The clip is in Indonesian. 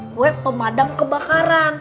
kue pemadam kebakaran